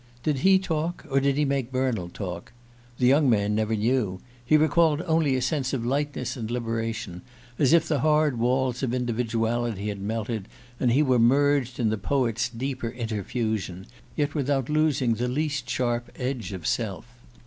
Did he talk, or did he make Bernald talk? The young man never knew. He recalled only a sense of lightness and liberation, as if the hard walls of individuality had melted, and he were merged in the poet's deeper interfusion, yet without losing the least sharp edge of self.